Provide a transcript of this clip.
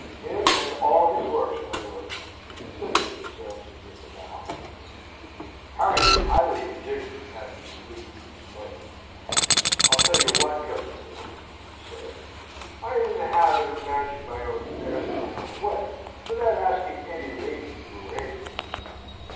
"Him and all his works, my lord!" said Mr. Sampson, with a bow. Harry was highly indignant at this allusion to his mother. "I'll tell you what, cousin Will," he said, "I am in the habit of managing my own affairs in my own way, without asking any lady to arrange them for me.